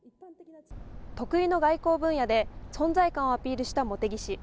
得意の外交分野で存在感をアピールした茂木氏。